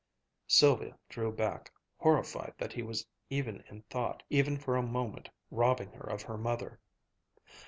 Sylvia drew back, horrified that he was even in thought, even for a moment robbing her of her mother.